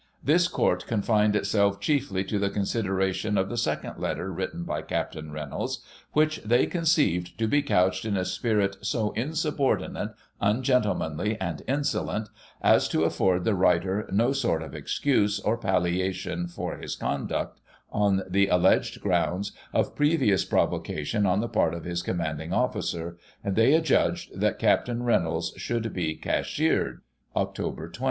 This court confined itself chiefly to the consideration of the second letter written by Capt. Reynolds, which they conceived to be couched in a spirit so in subordinate, ungentlemanly, and insolent, as to afford the writer no sort of excuse, or palliation for his conduct, on the alleged grounds of previous provocation on the part of his commanding officer, and they adjudged that Capt. Reynolds should be cashiered (Oct. 20).